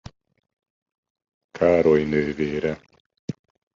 Károly nővére.